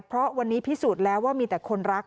เพราะวันนี้พิสูจน์แล้วว่ามีแต่คนรัก